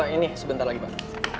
ini sebentar lagi pak